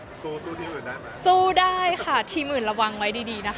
สู้สู้ทีมอื่นได้ไหมสู้ได้ค่ะทีมอื่นระวังไว้ดีดีนะคะ